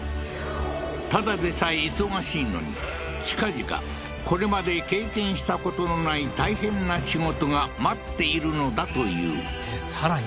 ただでさえ忙しいのに近々これまで経験したことのない大変な仕事が待っているのだというさらに？